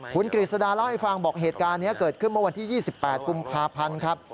คุณกฤษดาเล่าให้ฟังบอกเหตุการณ์นี้เกิดขึ้นเมื่อวันที่๒๘กุมภาพันธ์ครับ